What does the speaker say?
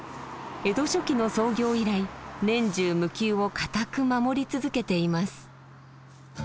江戸初期の創業以来年中無休を固く守り続けています。